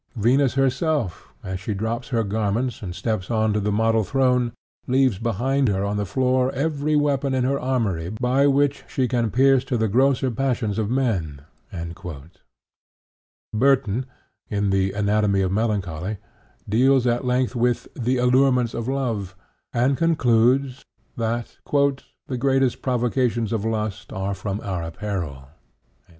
Venus herself, as she drops her garments and steps on to the model throne, leaves behind her on the floor every weapon in her armory by which she can pierce to the grosser passions of men." Burton, in the Anatomy of Melancholy (Part III, Sect. II, Subsect. 3), deals at length with the "Allurements of Love," and concludes that "the greatest provocations of lust are from our apparel."